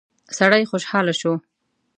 سړی خوشاله شو.